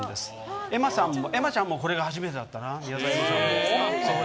エマちゃんもこれが初めてだったな。